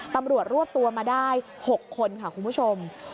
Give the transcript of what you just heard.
ตำรวจรวบตัวมาได้๖คนค่ะคุณผู้ชม